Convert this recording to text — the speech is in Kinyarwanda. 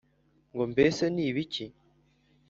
Ngombese n,ibiki